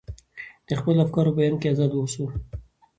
د خپلو افکارو په بیان کې ازاد واوسو.